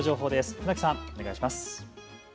船木さん、お願いします。